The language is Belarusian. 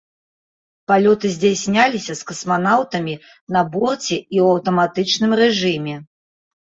Палёты здзяйсняліся з касманаўтамі на борце і ў аўтаматычным рэжыме.